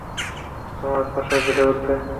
তোমার ফসল বেড়ে উঠবে।